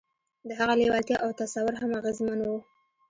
د هغه لېوالتیا او تصور هم اغېزمن وو